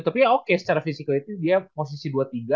tapi ya oke secara fisik dia posisi dua tiga